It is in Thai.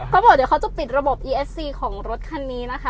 เขาบอกเดี๋ยวพี่จะปิดระบบของรถคันนี้นะคะ